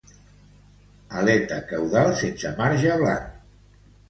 Aleta caudal sense marge blanc.